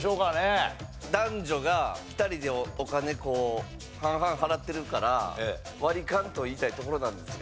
男女が２人でお金こう半々払ってるから「わりかん」と言いたいところなんですが。